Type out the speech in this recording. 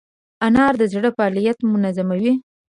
انار د زړه فعالیت منظموي.